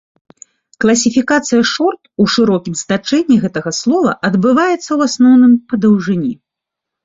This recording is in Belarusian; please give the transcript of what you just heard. Класіфікацыя шорт у шырокім значэнні гэтага слова адбываецца, у асноўным, па даўжыні.